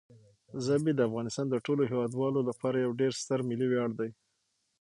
ژبې د افغانستان د ټولو هیوادوالو لپاره یو ډېر ستر ملي ویاړ دی.